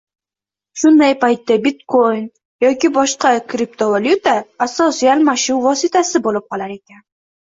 Shunday paytda, bitkoin yoki boshqa kriptovalyuta asosiy almashuv vositasi bo‘lib qolar ekan.